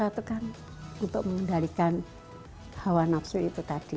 ya puasa itu kan untuk mengendalikan hawa nafsu itu tadi